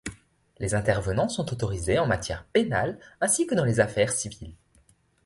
Les intervenants sont autorisés en matière pénale ainsi que dans les affaires civiles.